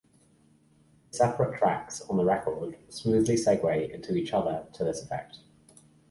The separate tracks on the record smoothly segue into each other to this effect.